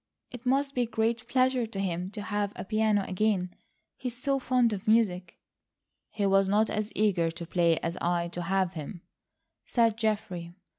"It must be a great pleasure to him to have a piano again. He is so fond of music." "He was not as eager to play as I to have him," said Geoffrey.